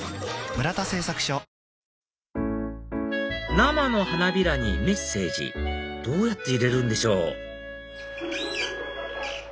生の花びらにメッセージどうやって入れるんでしょう？